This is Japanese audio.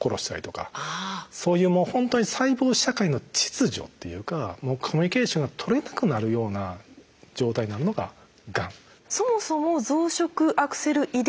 そういうもうほんとに細胞社会の秩序っていうかコミュニケーションが取れなくなるような状態になるのががん。